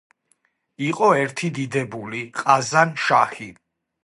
იყო ერთი დიდებული ყაზან-შაჰი.